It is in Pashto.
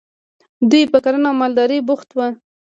دوی په کرنه او مالدارۍ بوخت وو.